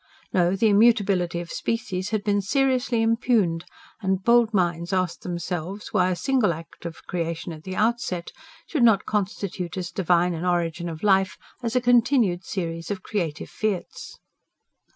No, the immutability of species had been seriously impugned, and bold minds asked themselves why a single act of creation, at the outset, should not constitute as divine an origin of life as a continued series of "creative fiats."